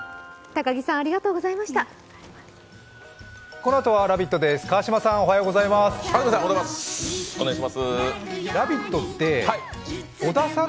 このあとは「ラヴィット！」です川島さん